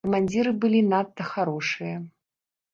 Камандзіры былі надта харошыя.